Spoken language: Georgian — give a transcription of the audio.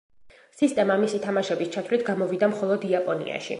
სისტემა მისი თამაშების ჩათვლით გამოვიდა მხოლოდ იაპონიაში.